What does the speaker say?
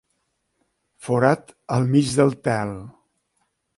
Forat al mig del tel.